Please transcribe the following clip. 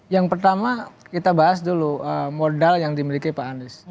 yang pertama kita bahas dulu modal yang dimiliki pak anies